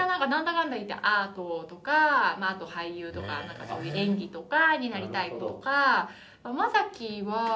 かんだいってアートとかあと俳優とかそういう演技とかになりたい子とか。